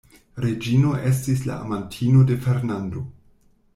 Reĝino estis la amantino de Fernando.